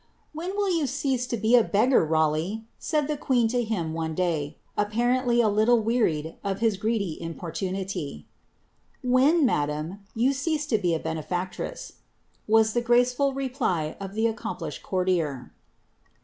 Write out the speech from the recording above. irill yon cease to be a beggar, Raleigh ?" said the queen to y, apparently a little weari^ of his greedy importunity, madam, yon cease to be a benefactress,*' was the graceful B accomplished courtier.